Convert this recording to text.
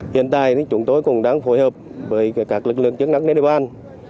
hiện tại chúng tôi cũng đang phối hợp với các lực lượng chức năng nền đề ban